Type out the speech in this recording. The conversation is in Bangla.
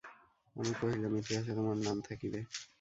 আমি কহিলাম, ইতিহাসে তোমার নাম থাকিবে।